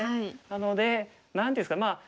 なので何て言うんですか。